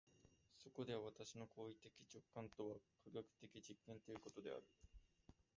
そこでは私の行為的直観とは科学的実験ということである。